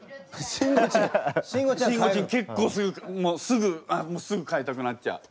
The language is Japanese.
すぐすぐかえたくなっちゃう。